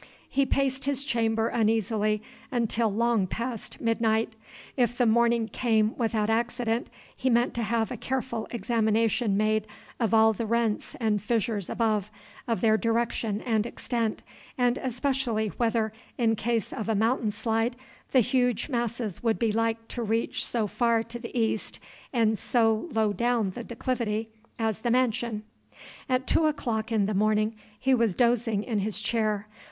He paced his chamber uneasily until long past midnight. If the morning came without accident, he meant to have a careful examination made of all the rents and fissures above, of their direction and extent, and especially whether, in case of a mountain slide, the huge masses would be like to reach so far to the east and so low down the declivity as the mansion. At two o'clock in the morning he was dozing in his chair.